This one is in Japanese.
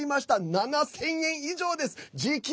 ７０００円以上です、時給！